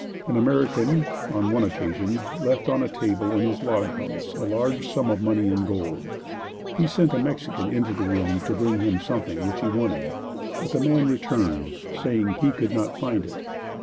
An American, on one occasion, left on a table, in his log house, a large sum of money in gold. He sent a Mexican into this room to bring him something which he wanted, but the man returned saying he could not find it.